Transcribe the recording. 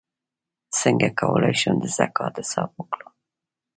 څنګه کولی شم د زکات حساب وکړم